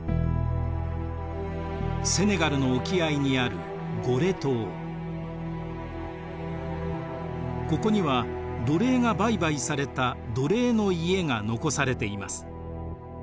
セネガルの沖合にあるここには奴隷が売買された奴隷の家が残されています。